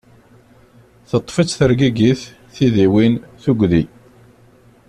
Teṭṭef-itt tergigit, tidiwin, tugdi.